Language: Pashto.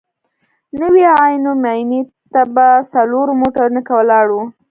نوي عینو مېنې ته په څلورو موټرونو کې ولاړو.